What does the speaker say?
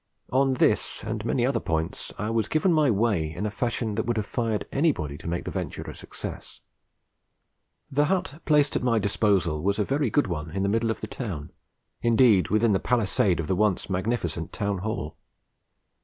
On this and many other points I was given my way in a fashion that would have fired anybody to make the venture a success. The hut placed at my disposal was a very good one in the middle of the town, indeed within the palisade of the once magnificent Town Hall.